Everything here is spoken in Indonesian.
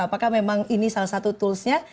apakah memang ini salah satu toolsnya